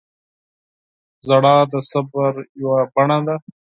• ژړا د صبر یوه بڼه ده.